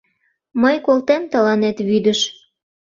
Мый колтем тыланет вӱдыш!